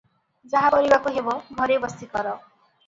ଯାହା କରିବାକୁ ହେବ, ଘରେ ବସି କର ।